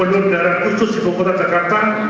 wakil kepala daerah khusus di bukit jakarta